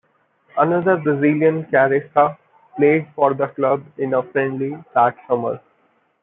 Another Brazilian, Careca, played for the club in a friendly that summer.